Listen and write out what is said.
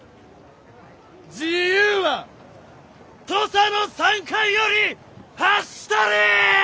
自由は土佐の山間より発したり！